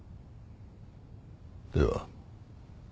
では。